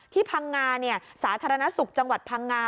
พังงาสาธารณสุขจังหวัดพังงา